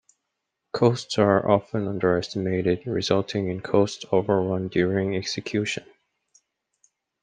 Costs are often underestimated, resulting in cost overrun during execution.